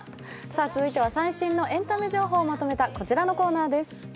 続いては最新のエンタメ情報をまとめたこちらのコーナーです。